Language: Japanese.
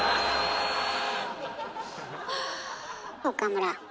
岡村。